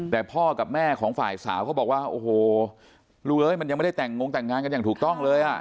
แต่พ่อกับแม่ของฝ่ายสาวเขาบอกว่าโอ้โหรู้เลยมันยังไม่ได้แต่งงแต่งงานกันอย่างถูกต้องเลยอ่ะ